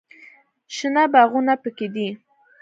شنه باغونه پکښې دي.